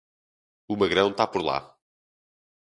O magrão tá por lá